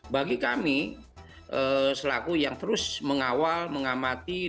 bagi kami selaku yang terus mengawal mengamati